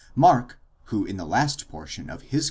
Mark, who in the last portion of his.